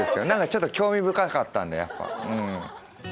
ちょっと興味深かったんで。